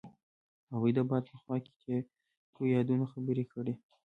هغوی د باد په خوا کې تیرو یادونو خبرې کړې.